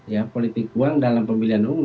ya politik uang dalam pemilihan umum